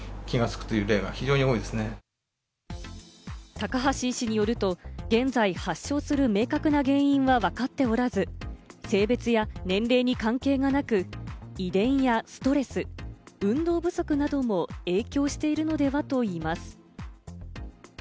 高橋医師によると現在、発症する明確な原因はわかっておらず、性別や年齢に関係がなく、遺伝やストレス、運動不足なども影響しているのではといいます。